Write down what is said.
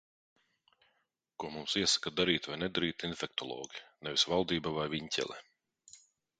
Ko mums iesaka darīt vai nedarīt infektologi. Nevis valdība vai Viņķele.